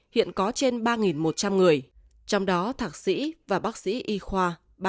hiện có trên ba một trăm linh người trong đó thạc sĩ và bác sĩ y khoa